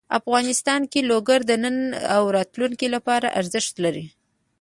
افغانستان کې لوگر د نن او راتلونکي لپاره ارزښت لري.